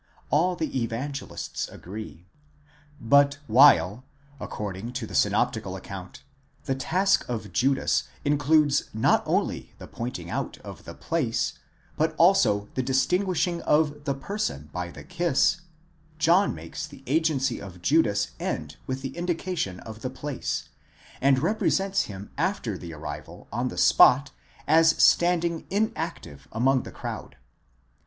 16), all the Evangelists agree. But while according to the synoptical account the task of Judas includes not only the pointing out of the place, but also the dis tinguishing of the person by the kiss, John makes the agency of Judas end with the indication of the place, and represents him after the arrival on the spot as standing inactive among the crowd (εἱστήκει δὲ καὶ 'lovdas—per αὐτῶν, v. 5).